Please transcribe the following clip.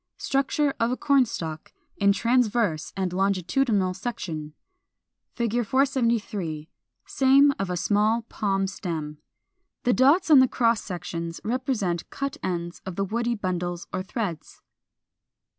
Structure of a Corn stalk, in transverse and longitudinal section. 473. Same of a small Palm stem. The dots on the cross sections represent cut ends of the woody bundles or threads.